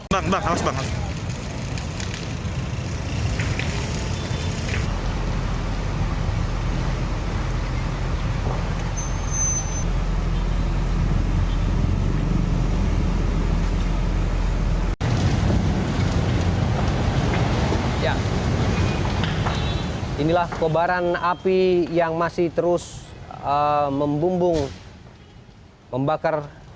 dan lintas masih terlihat berlangsung seperti biasa